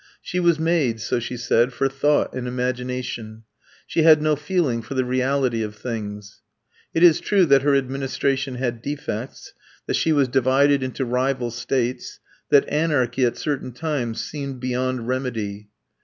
She was made, so she said, for thought and imagination; "she had no feeling for the reality of things." It is true that her administration had defects, that she was divided into rival states, that anarchy at certain times seemed beyond remedy.